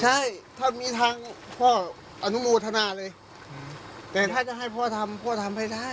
ใช่ถ้ามีทางพ่ออนุโมทนาเลยแต่ถ้าจะให้พ่อทำพ่อทำให้ได้